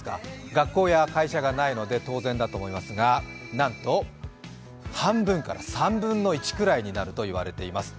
学校や、会社がないので当然だと思いますがなんと半分から３分の１くらいになるといわれています。